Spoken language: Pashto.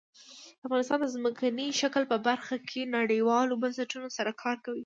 افغانستان د ځمکنی شکل په برخه کې نړیوالو بنسټونو سره کار کوي.